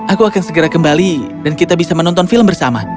aku akan segera kembali dan kita bisa menonton film bersama